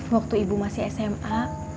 waktu ibu masih sma